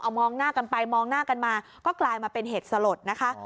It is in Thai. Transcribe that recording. มองหน้ากันไปมองหน้ากันมาก็กลายมาเป็นเหตุสลดนะคะ